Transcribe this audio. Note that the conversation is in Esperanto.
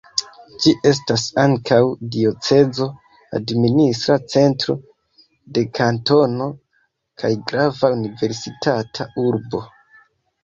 Ĝi estas ankaŭ diocezo, administra centro de kantono kaj grava universitata urbo.